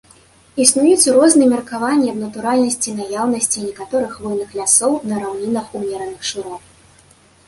Існуюць розныя меркаванні аб натуральнасці наяўнасці некаторых хвойных лясоў на раўнінах ўмераных шырот.